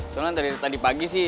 soalnya tadi pagi sih